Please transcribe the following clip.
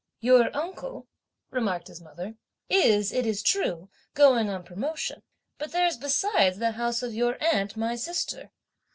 "Your uncle," remarked his mother, "is, it is true, going on promotion, but there's besides the house of your aunt, my sister.